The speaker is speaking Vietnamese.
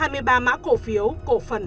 hai mươi ba mã cổ phiếu cổ phần